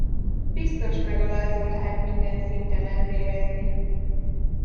Biztos megalázó lehet minden szinten elvérezni.